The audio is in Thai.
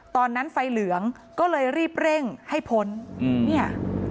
ไฟเหลืองก็เลยรีบเร่งให้พ้นอืมเนี่ย